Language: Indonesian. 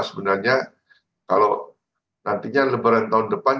sebenarnya kalau nantinya lebaran tahun depan